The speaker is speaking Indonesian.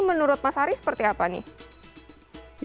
menurut mas ari seperti apa nih